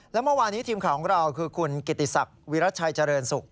และเมื่อวานี้ทีมข่าวของเราคือคุณกิติศักดิ์วิรัชัยเจริญสุข